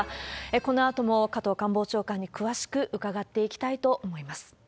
このあとも加藤官房長官に詳しく伺っていきたいと思います。